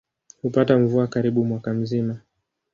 Hupata mvua karibu mwaka mzima.